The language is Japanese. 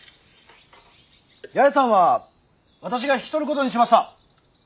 八重さんは私が引き取ることにしました。